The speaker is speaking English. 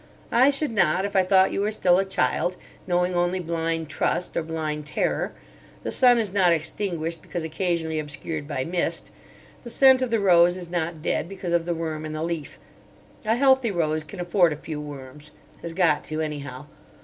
I should not if I thought you were still a child, knowing only blind trust, or blind terror. The sun is not extinguished because occasionally obscured by mist; the scent of the rose is not dead because of the worm in the leaf. A healthy rose can afford a few worms—has got to, anyhow.